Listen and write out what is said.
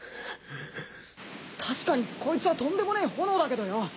確かにこいつはとんでもねえ炎だけどよ